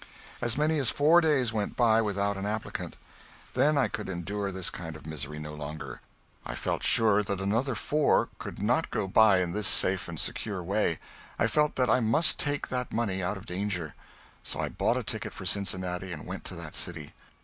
As many as four days went by without an applicant; then I could endure this kind of misery no longer. I felt sure that another four could not go by in this safe and secure way. I felt that I must take that money out of danger. So I bought a ticket for Cincinnati and went to that city.